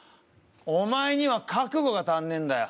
お前には覚悟が足んねえんだよ